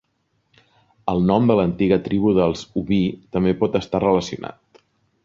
El nom de l'antiga tribu dels Ubii també pot estar relacionat.